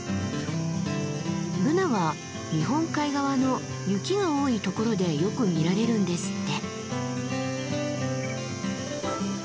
ブナは日本海側の雪が多いところでよく見られるんですって。